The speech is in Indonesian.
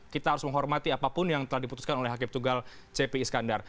kita harus menghormati apapun yang telah diputuskan oleh hakim tunggal cp iskandar